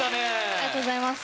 ありがとうございます。